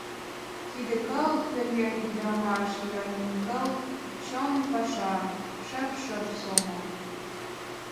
Тиде кыл, пӧръеҥ-ӱдырамаш йӧратыме кыл — чон паша, шып-шып сомыл.